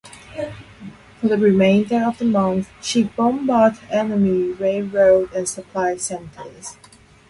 For the remainder of the month, she bombarded enemy railroad and supply centers.